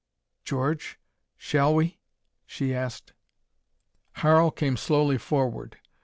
"George, shall we?" she asked. Harl came slowly forward.